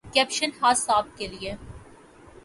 caption خاص آپ کے لیے